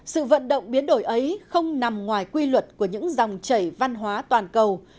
sự vận động biến đổi ấy không nằm ngoài quy luật của những dòng chảy văn hóa toàn cầu